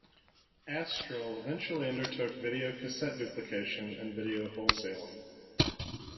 Astral eventually undertook videocassette duplication and video wholesaling.